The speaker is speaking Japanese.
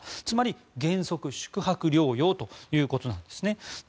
つまり、原則宿泊療養ということなんですね。